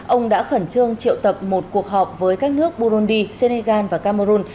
ông đã khẩn trương triệu tập một cuộc họp với các nước burundi senegal và cameroon